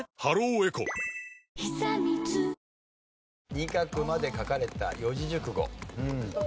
二画まで書かれた四字熟語。